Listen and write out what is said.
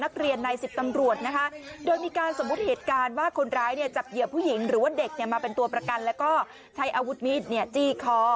ใน๑๐ตำรวจนะคะโดยมีการสมมุติเหตุการณ์ว่าคนร้ายเนี่ยจับเหยื่อผู้หญิงหรือว่าเด็กเนี่ยมาเป็นตัวประกันแล้วก็ใช้อาวุธมีดจี้คอ